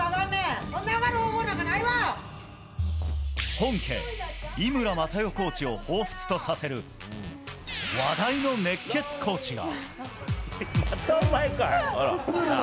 本家、井村雅代コーチをほうふつとさせる話題の熱血コーチが。